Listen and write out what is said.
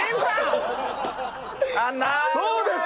そうです！